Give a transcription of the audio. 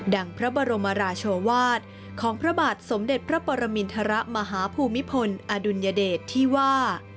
พระบรมราชวาสของพระบาทสมเด็จพระปรมินทรมาฮภูมิพลอดุลยเดชที่ว่า